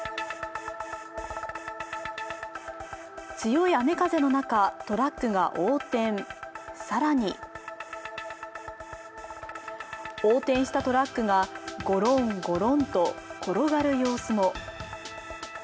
強い雨風の中、トラックが横転、更に横転したトラックがごろんごろんと転がる様子も。